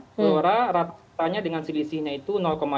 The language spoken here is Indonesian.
gelora ratanya dengan selisihnya itu lima puluh empat